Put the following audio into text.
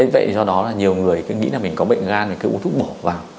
vậy do đó là nhiều người cứ nghĩ là mình có bệnh gan và cứ uống thuốc bổ vào